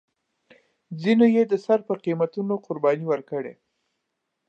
ځینو یې د سر په قیمتونو قربانۍ ورکړې.